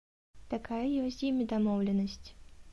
Такая ёсць з імі дамоўленасць.